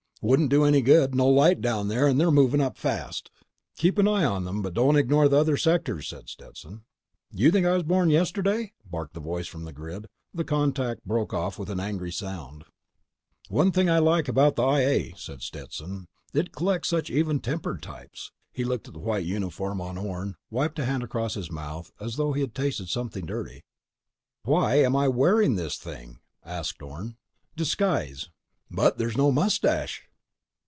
"Wouldn't do any good. No light down there, and they're moving up fast." "Keep an eye on them, but don't ignore the other sectors," said Stetson. "You think I was born yesterday?" barked the voice from the grid. The contact broke off with an angry sound. "One thing I like about the I A," said Stetson. "It collects such even tempered types." He looked at the white uniform on Orne, wiped a hand across his mouth as though he'd tasted something dirty. "Why am I wearing this thing?" asked Orne. "Disguise." "But there's no mustache!"